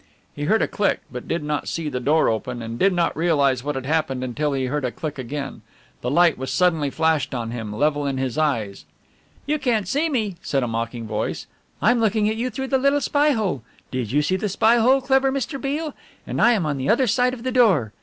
He heard a click, but did not see the door open and did not realize what had happened until he heard a click again. The light was suddenly flashed on him, level with his eyes. "You can't see me," said a mocking voice, "I'm looking at you through the little spy hole. Did you see the spy hole, clever Mr. Beale? And I am on the other side of the door."